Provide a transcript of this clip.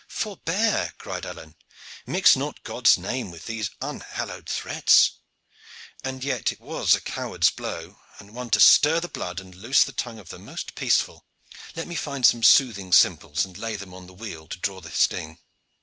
"Forbear!" cried Alleyne. "Mix not God's name with these unhallowed threats! And yet it was a coward's blow, and one to stir the blood and loose the tongue of the most peaceful. Let me find some soothing simples and lay them on the weal to draw the sting."